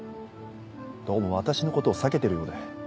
どうも私のことを避けてるようで。